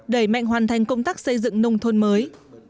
đẩy mạnh hoàn thành công tác xây dựng nông thôn mới